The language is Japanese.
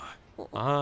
ああ。